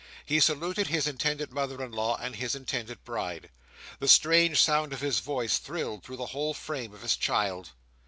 He saluted his intended mother in law, and his intended bride. The strange sound of his voice thrilled through the whole frame of his child.